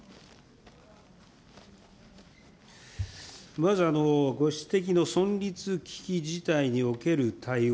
まずご指摘の存立危機事態における対応。